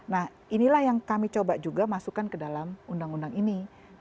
nah inilah yang kami coba juga masukkan ke dalam undang undang ini